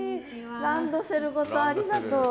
ランドセルごとありがとう。